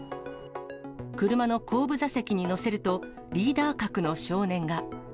車の後部座席に乗せると、リーダー格の少年が。